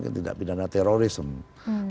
yang tidak pidana terorisme